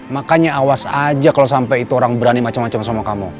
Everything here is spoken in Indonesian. makanya awas aja kalo sampe itu orang berani macem macem sama kamu